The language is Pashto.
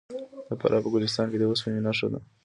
د فراه په ګلستان کې د وسپنې نښې شته.